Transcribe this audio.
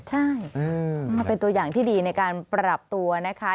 ใช่เป็นตัวอย่างที่ดีในการปรับตัวนะคะ